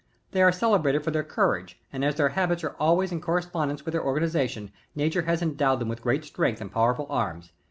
They are cele brated for their coiu^ge, and as their habits are always in corres pondence with their organization, nature has endowed them with great strength and powerful arms.